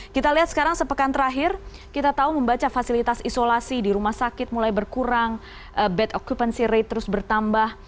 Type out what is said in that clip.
kita lihat sekarang sepekan terakhir kita tahu membaca fasilitas isolasi di rumah sakit mulai berkurang bad occupancy rate terus bertambah